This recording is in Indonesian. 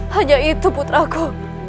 hanya itu putraku